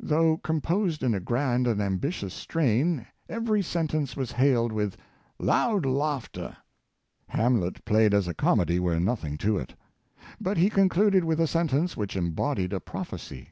Though composed in a grand and ambitious strain, every sen tence was hailed with " loud laughter." " Hamlet " played as a comedy were nothing to it. But he con cluded with a sentence which embodied a prophecy.